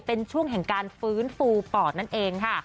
เป็นช่วงแห่งการฟื้นฟูปอดนั่นเองค่ะ